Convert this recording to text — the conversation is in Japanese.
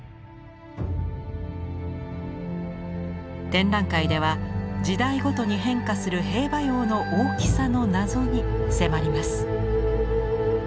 展覧会では時代ごとに変化する兵馬俑の大きさの謎に迫ります。